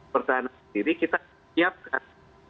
pertahanan sendiri kita siapkan